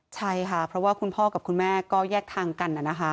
ใช่ค่ะเพราะว่าคุณพ่อกับคุณแม่ก็แยกทางกันนะคะ